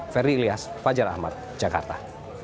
ferry ilyas fajar ahmad jakarta